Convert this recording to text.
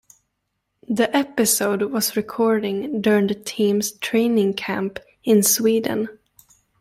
The episode was recording during the team's training camp in Sweden.